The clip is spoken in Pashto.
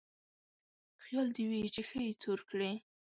خيال دې وي چې ښه يې تور کړې.